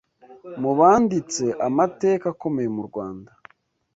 mu banditse amateka akomeye mu Rwanda